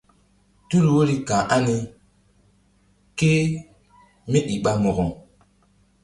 Tul woiri ka̧h ani kémíi ɓa mo̧ko?